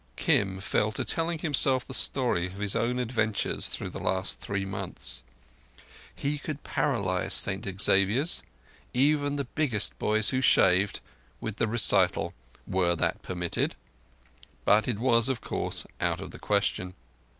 Kim fell to telling himself the story of his own adventures through the last three months. He could paralyse St Xavier's—even the biggest boys who shaved—with the recital, were that permitted. But it was, of course, out of the question.